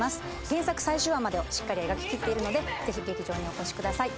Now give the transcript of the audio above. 原作最終話までをしっかり描ききっているのでぜひ劇場にお越しください